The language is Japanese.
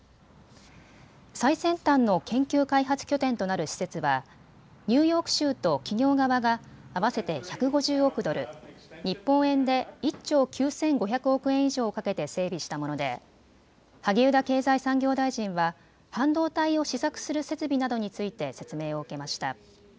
最先端の研究開発拠点となる施設はニューヨーク州と企業側が合わせて１５０億ドル、日本円で１兆９５００億円以上をかけて整備したもので萩生田経済産業大臣は半導体を試作する設備などについて説明を受けました。